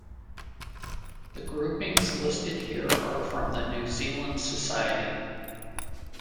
The groupings listed here are from the New Zealand Society.